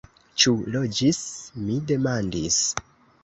Ĉu loĝis? mi demandis.